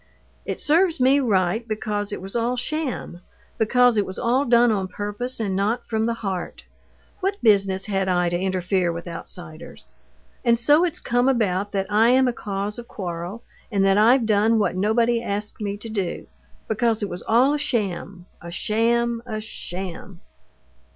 "It serves me right, because it was all sham; because it was all done on purpose, and not from the heart. What business had I to interfere with outsiders? And so it's come about that I'm a cause of quarrel, and that I've done what nobody asked me to do. Because it was all a sham! a sham! a sham!..."